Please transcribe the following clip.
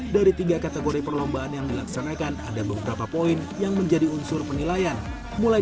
dari tiga kategori perlombaan yang dilaksanakan ada beberapa poin yang menjadi unsur penilaian mulai